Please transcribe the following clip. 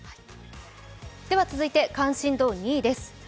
続いて関心度２位です。